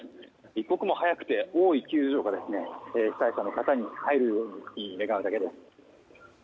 一刻も早くて多い救助が被災者の方に入るように願うだけです。